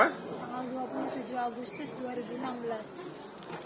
tanggal dua puluh tujuh agustus dua ribu enam belas